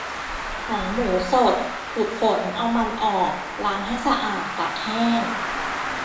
หนังหมูสด ขูดขน เอามันออก ล้างให้สะอาด ตากแห้ง